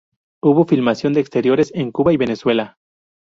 Hubo filmación de exteriores en Cuba y Venezuela.